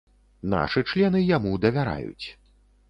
Нашы члены яму давяраюць.